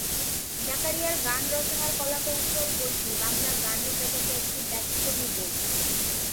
জাকারিয়ার গান রচনার কলাকৌশল বইটি বাংলা গানের জগতে একটি ব্যতিক্রমী বই।